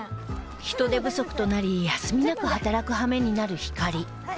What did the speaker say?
人手不足となり休みなく働くはめになるひかり